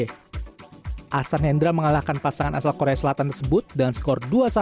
ahsan hendra mengalahkan pasangan asal korea selatan tersebut dengan skor dua satu